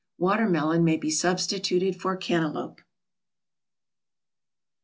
Watermelon may be substituted for cantaloupe.